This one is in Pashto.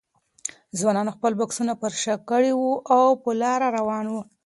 ځوانانو خپل بکسونه پر شا کړي وو او په لاره روان وو.